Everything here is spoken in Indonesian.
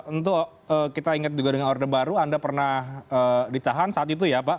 untuk kita ingat juga dengan orde baru anda pernah ditahan saat itu ya pak